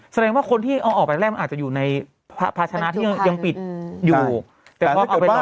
แสดงว่าคนที่เอาออกไปแรกเค้าอาจจะอยู่ในพระชนะที่ยังปิดอยู่